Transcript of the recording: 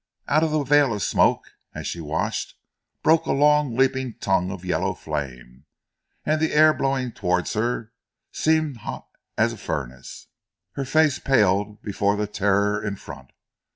Out of the veil of smoke as she watched broke a long leaping tongue of yellow flame, and the air blowing towards her seemed hot as a furnace. Her face paled before the terror in front.